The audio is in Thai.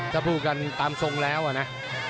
จะพูดกันตามทรงแล้วนะ